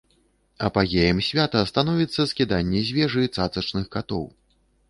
Апагеем свята становіцца скіданне з вежы цацачных катоў.